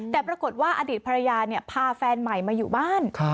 แต่ปรากฏว่าอดีตภรรยาพาแฟนใหม่มาอยู่บ้าน